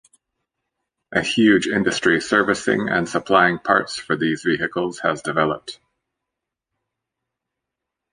A huge industry servicing and supplying parts for these vehicles has developed.